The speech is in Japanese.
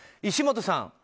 石本さん。